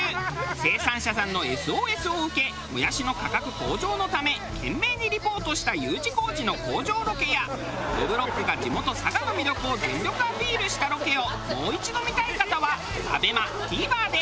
生産者さんのＳＯＳを受けもやしの価格向上のため懸命にリポートしたＵ字工事の工場ロケやどぶろっくが地元佐賀の魅力を全力アピールしたロケをもう一度見たい方はＡＢＥＭＡＴＶｅｒで。